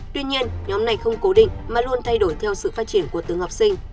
tuy nhiên nhóm này không cố định mà luôn thay đổi theo sự phát triển của từng học sinh